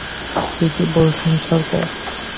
ঠিকই বলেছেন, সরকার।